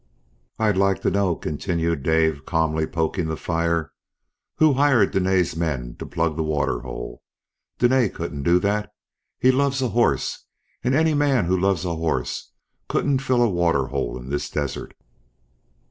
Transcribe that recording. "I'd like to know," continued Dave, calmly poking the fire, "who hired Dene's men to plug the waterhole. Dene couldn't do that. He loves a horse, and any man who loves a horse couldn't fill a waterhole in this desert."